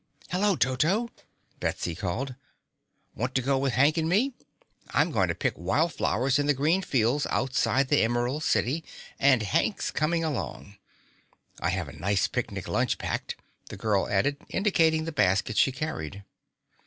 "Hello, Toto!" Betsy called. "Want to go with Hank and me? I'm going to pick wild flowers in the green fields outside the Emerald City and Hank's coming along. I have a nice picnic lunch packed," the girl added, indicating the basket she carried.